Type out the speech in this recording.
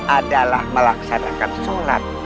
adalah melaksanakan sholat